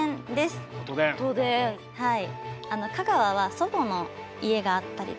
はい。